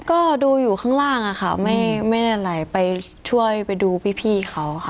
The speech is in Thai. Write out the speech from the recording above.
ก็ดูอยู่ข้างล่างอะค่ะไม่ได้ไหลไปช่วยไปดูพี่เขาค่ะ